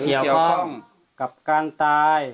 ข้าพเจ้านางสาวสุภัณฑ์หลาโภ